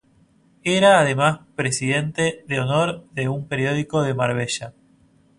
Era además presidente de honor de un periódico de Marbella.